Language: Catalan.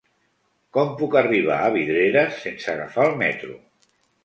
Com puc arribar a Vidreres sense agafar el metro?